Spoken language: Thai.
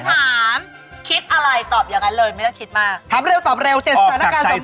คำถามต้องเข้ามาเลย